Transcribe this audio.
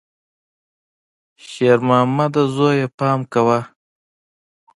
شېرمامده زویه، پام کوه!